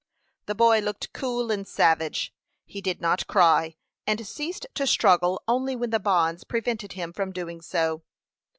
The boy looked cool and savage; he did not cry, and ceased to struggle only when the bonds prevented him from doing so.